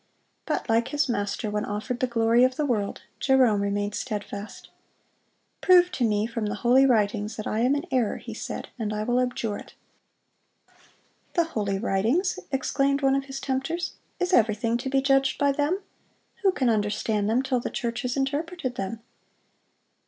But like his Master, when offered the glory of the world, Jerome remained steadfast. "Prove to me from the Holy Writings that I am in error," he said, "and I will abjure it." "The Holy Writings!" exclaimed one of his tempters, "is everything then to be judged by them? Who can understand them till the church has interpreted them?"